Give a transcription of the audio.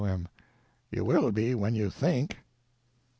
M. You will be when you think.